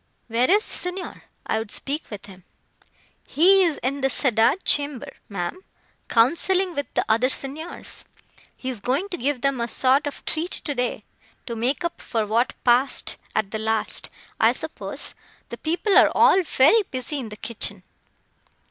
Where is the Signor? I would speak with him." "He is in the cedar chamber, ma'am, counselling with the other Signors. He is going to give them a sort of treat today, to make up for what passed at the last, I suppose; the people are all very busy in the kitchen."